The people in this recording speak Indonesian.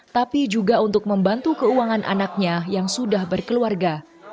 tapi juga untuk membantu keuangan anaknya yang sudah berkeluarga